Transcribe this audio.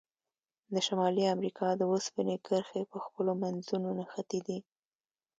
د شمالي امریکا د اوسپنې کرښې په خپلو منځونو نښتي دي.